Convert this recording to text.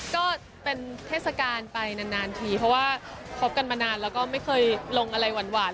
ก็เป็นเทศกาลไปนานทีเพราะว่าคบกันมานานแล้วก็ไม่เคยลงอะไรหวาน